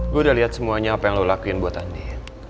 gue udah lihat semuanya apa yang lo lakuin buat andi